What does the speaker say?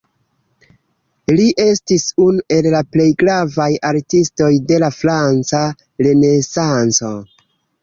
Li estis unu el la plej gravaj artistoj de la franca Renesanco.